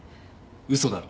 嘘だろ。